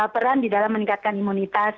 peran di dalam meningkatkan imunitas